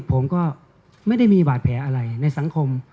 ผมก็ไม่ได้มีบาดแผลอะไรในสังคม